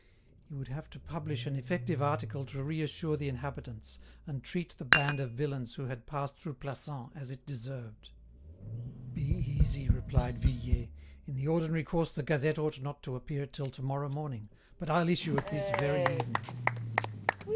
He would have to publish an effective article to reassure the inhabitants and treat the band of villains who had passed through Plassans as it deserved. "Be easy!" replied Vuillet. "In the ordinary course the 'Gazette' ought not to appear till to morrow morning, but I'll issue it this very evening."